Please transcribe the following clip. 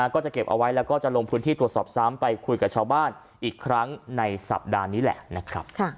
ก็จะเก็บเอาไว้แล้วก็จะลงพื้นที่ตรวจสอบซ้ำไปคุยกับชาวบ้านอีกครั้งในสัปดาห์นี้แหละนะครับ